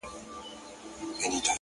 خو نن د زړه له تله،